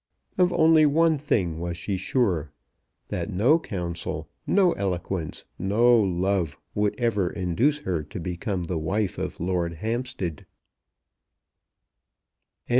Of only one thing was she sure, that no counsel, no eloquence, no love would ever induce her to become the wife of Lord Hampstead.